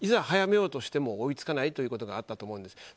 早めようとしても追いつかないというところがあったと思うんです。